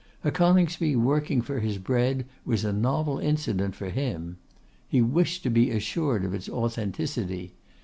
A Coningsby working for his bread was a novel incident for him. He wished to be assured of its authenticity.